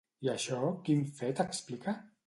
I això quin fet explica?